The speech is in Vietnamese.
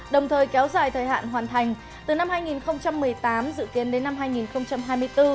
đồng thời kéo dài thời hạn hoàn thành từ năm hai nghìn một mươi tám dự kiến đến năm hai nghìn hai mươi bốn